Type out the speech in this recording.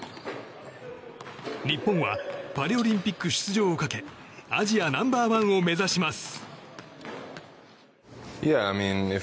日本はパリオリンピック出場をかけアジアナンバー１を目指します。